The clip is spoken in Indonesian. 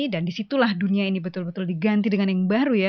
dan disitulah dunia ini betul betul diganti dengan yang baru ya